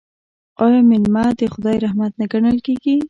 آیا میلمه د خدای رحمت نه ګڼل کیږي؟